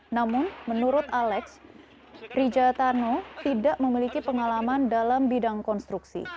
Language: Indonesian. namun menurut alex rijatano tidak memiliki pengalaman dalam bidang konstruksi